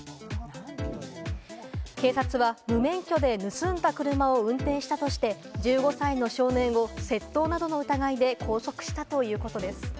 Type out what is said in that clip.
警察は無免許で盗んだ車を運転したとして、１５歳の少年を窃盗などの疑いで拘束したということです。